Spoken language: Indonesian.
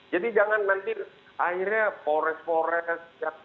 jadi jangan nanti akhirnya fores fores